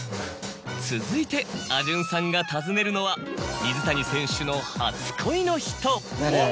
続いてあじゅんさんが訪ねるのは水谷選手の初恋の人。